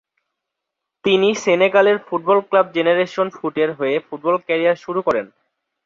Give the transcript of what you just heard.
তিনি সেনেগালের football club generation ফুটের হয়ে ফুটবল ক্যারিয়ার শুরু করেন।